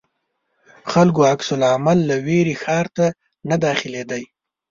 خلکو عکس العمل له وېرې ښار ته نه داخلېدی.